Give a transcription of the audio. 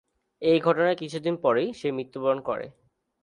এ ঘটনার কিছুদিন পরেই সে মৃত্যুবরণ করে।